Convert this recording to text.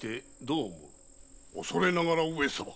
おそれながら上様。